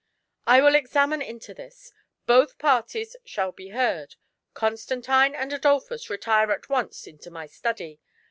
" I will examine into this ; both parties shall be heard. Constantine and Adolphus, retire at once into my study.